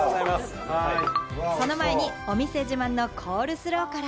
その前にお店自慢のコールスローから。